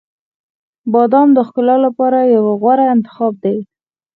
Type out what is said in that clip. • بادام د ښکلا لپاره یو غوره انتخاب دی.